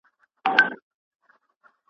تاسو په مالي چارو کي له احتياط کار واخلئ.